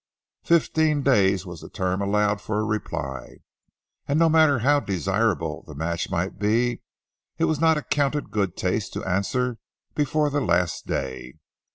Fifteen days was the term allowed for a reply, and no matter how desirable the match might be, it was not accounted good taste to answer before the last day.